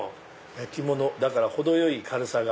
焼き物だから程よい軽さが。